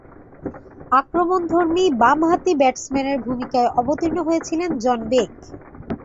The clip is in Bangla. আক্রমণধর্মী বামহাতি ব্যাটসম্যানের ভূমিকায় অবতীর্ণ হয়েছিলেন জন বেক।